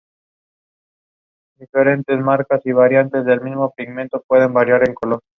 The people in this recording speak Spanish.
Palmira Centro, Palmira Abajo y Palmira Arriba.